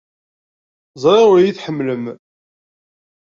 Ẓriɣ ur iyi-tḥemmlem.